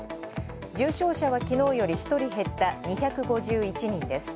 重症者は昨日より１人減った２５１人です。